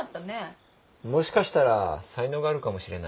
もしかしたら才能があるかもしれない。